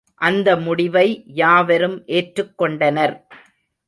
அந்த முடிவை யாவரும் ஏற்றுக் கொண்டனர்.